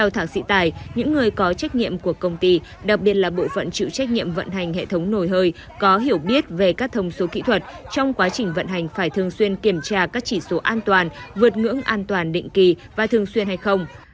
trách nhiệm của công ty đặc biệt là bộ phận chịu trách nhiệm vận hành hệ thống nồi hơi có hiểu biết về các thông số kỹ thuật trong quá trình vận hành phải thường xuyên kiểm tra các chỉ số an toàn vượt ngưỡng an toàn định kỳ và thường xuyên hay không